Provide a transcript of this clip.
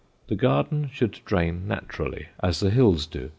The garden should drain naturally, as the hills do.